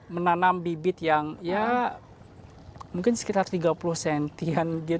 menanam bibit yang ya mungkin sekitar tiga puluh cm